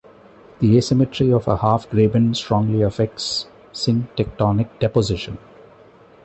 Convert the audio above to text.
The asymmetry of a half-graben strongly affects syntectonic deposition.